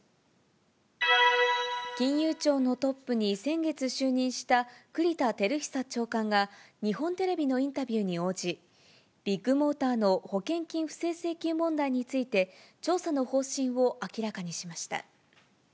金融庁のトップに先月就任した栗田照久長官が、日本テレビのインタビューに応じ、ビッグモーターの保険金不正請求問題について、調査の方針を明らかにしました。